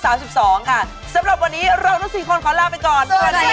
สำหรับวันนี้เราทุกสี่คนขอลาไปก่อน